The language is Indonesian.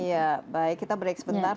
ya baik kita break sebentar